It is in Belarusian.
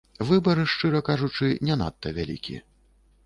Выбар, шчыра кажучы, не надта вялікі.